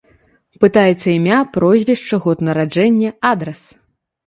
Пытаецца імя, прозвішча, год нараджэння, адрас.